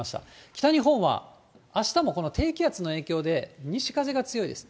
北日本はあしたもこの低気圧の影響で、西風が強いです。